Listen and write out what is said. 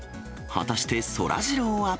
果たして、そらジローは。